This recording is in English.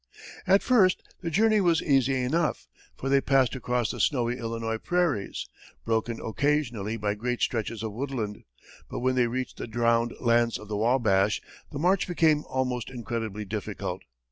At first the journey was easy enough, for they passed across the snowy Illinois prairies, broken occasionally by great stretches of woodland, but when they reached the drowned lands of the Wabash, the march became almost incredibly difficult.